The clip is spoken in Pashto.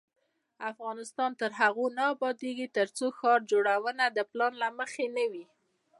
افغانستان تر هغو نه ابادیږي، ترڅو ښار جوړونه د پلان له مخې نه وي.